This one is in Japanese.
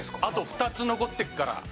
あと２つ残ってるから。